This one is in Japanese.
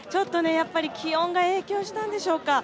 気温が影響したんでしょうか。